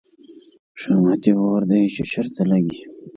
شومت یې اور دی، چې چېرته لګي